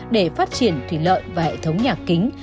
để phát triển thủy lợi và hệ thống nhà kính